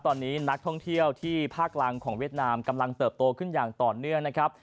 ตอนนี้นักท่องเที่ยวที่ภาคลังของเวียดนามกำลังเติบโตขึ้นอย่างต่อเนื่องนะครับ